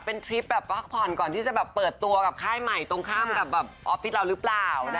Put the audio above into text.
เป็นทริปแบบพักผ่อนก่อนที่จะแบบเปิดตัวกับค่ายใหม่ตรงข้ามกับแบบออฟฟิศเราหรือเปล่า